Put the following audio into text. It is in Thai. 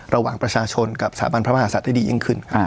ระหว่างประชาชนกับสถาบันพระมหาศัตริย์ได้ดียิ่งขึ้น